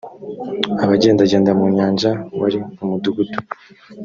abagendagenda mu nyanja wari umudugudu